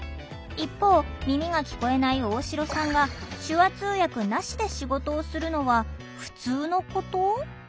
一方耳が聞こえない大城さんが手話通訳なしで仕事をするのはふつうのこと？